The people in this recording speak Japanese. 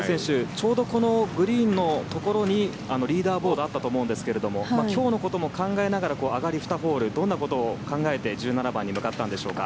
ちょうどグリーンのところにリーダーボードがあったと思うんですが今日のことも考えながら上がり２ホールどんなことを考えて１７番に向かったんでしょうか。